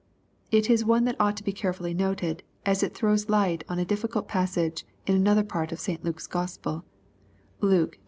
It is one that ought to be carefully noted, as it throws light on a difl&cult passage in another part of St. Luke's Gospel (Luke xvi.